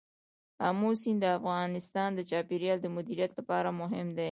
آمو سیند د افغانستان د چاپیریال د مدیریت لپاره مهم دي.